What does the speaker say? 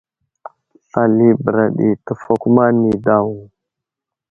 Slal i bəra ɗi təfakuma nay daw.